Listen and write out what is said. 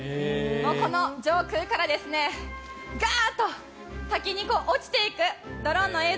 この上空からガーッと滝に落ちていくドローンの映像